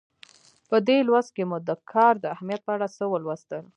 په دې لوست کې مو د کار د اهمیت په اړه څه ولوستل.